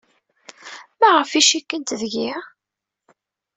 Maɣef ay cikkent deg-i?